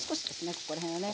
ここら辺はね。